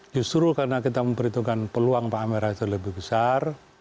justru karena kita memperhitungkan peluang pak amin rais lebih besar